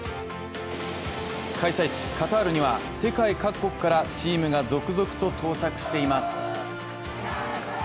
開催地・カタールには世界各国からチームが続々と到着しています。